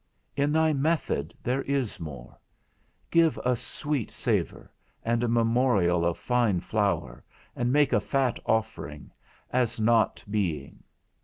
In thy method there is more: Give a sweet savour, and a memorial of fine flour, and make a fat offering, as not being.